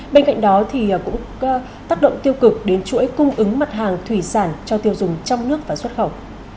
bên cạnh đó thì cũng tác động tiêu cực đến chuỗi cung ứng mặt hàng thủy sản cho tiêu dùng trong nước và xuất khẩu